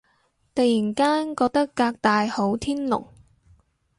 突然間覺得革大好天龍